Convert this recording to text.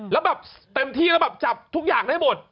แล้วแบบเต็มที่แล้วแบบจับทุกอย่างได้หมด